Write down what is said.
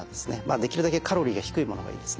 できるだけカロリーが低いものがいいですね